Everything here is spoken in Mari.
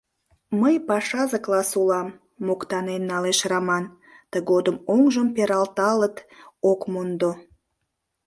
— Мый пашазе класс улам, — моктанен налеш Раман, тыгодым оҥжым пералталыт ок мондо.